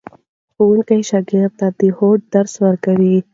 ښوونکی شاګرد ته د هوډ درس ورکوي.